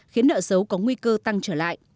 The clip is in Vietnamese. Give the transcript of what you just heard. khiến nợ xấu có nguy cơ tăng trở lại